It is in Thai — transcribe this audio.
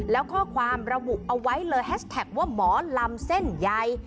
แล้วข้อความระบุเอาไว้เลยแฮชแท็กว่าหมอลำเส้นใหญ่